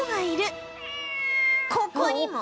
ここにも